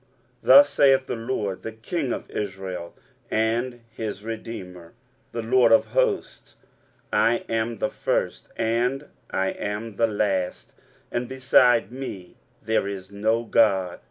23:044:006 Thus saith the LORD the King of Israel, and his redeemer the LORD of hosts; I am the first, and I am the last; and beside me there is no God.